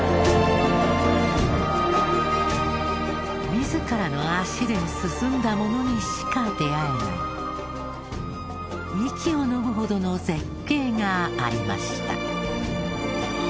自らの足で進んだ者にしか出会えない息をのむほどの絶景がありました。